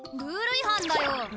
ルールいはんだよ。